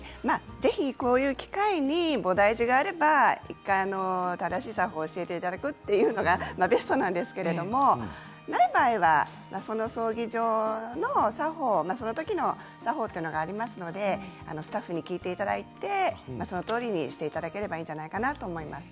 ぜひこういう機会に菩提寺があれば１回正しい作法を教えていただくというのがベストなんですけれどない場合はその葬儀場の作法そのときの作法というのがありますのでスタッフに聞いていただいてそのとおりにしていただければいいんじゃないかなと思います。